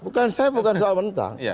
bukan saya bukan soal mentang